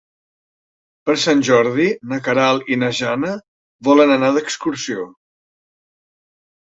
Per Sant Jordi na Queralt i na Jana volen anar d'excursió.